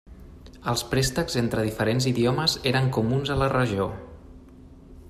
Els préstecs entre diferents idiomes eren comuns a la regió.